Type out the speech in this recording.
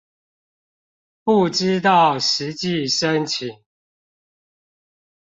不知道實際申請